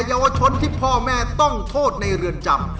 เยาวชนที่พ่อแม่ต้องโทษในเรือนจำ